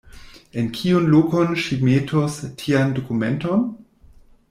En kiun lokon ŝi metos tian dokumenton?